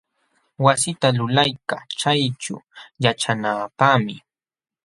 Wasita lulaykaa chayćhuu yaćhanaapaqmi.